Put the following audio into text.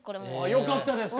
よかったですか？